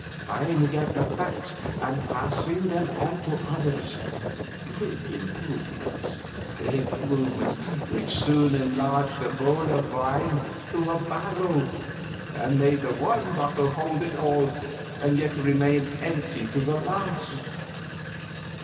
Finding out the facts and passing them on to others, with improvements improvements which soon enlarged the bowl of wine to a barrel, and made the one bottle hold it all and yet remain empty to the last.